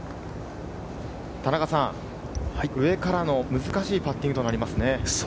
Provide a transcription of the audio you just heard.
田中さん、上からの難しいパッティングとなりますね。